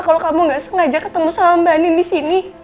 kalau kamu gak sengaja ketemu sama mbak andin disini